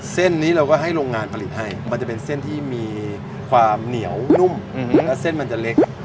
เส้นนี้เราก็ให้โรงงานผลิตให้มันจะเป็นเส้นที่มีความเหนียวนุ่มและเส้นมันจะเล็ก